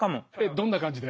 どんな感じで？